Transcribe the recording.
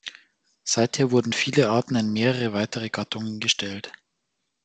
Seither wurden viele Arten in mehrere weitere Gattungen gestellt.